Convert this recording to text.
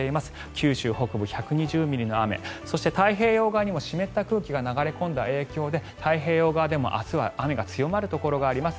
九州北部１２０ミリの雨そして太平洋側にも湿った空気が流れ込んだ影響で太平洋側でも明日は雨が強まるところがあります。